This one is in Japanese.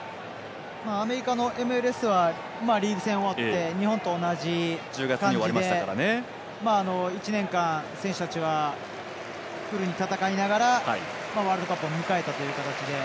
アメリカのＭＬＳはリーグ戦終わって日本と同じ感じで１年間、選手たちはフルに戦いながらワールドカップを迎えたという形で。